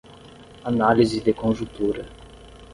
Análise de conjuntura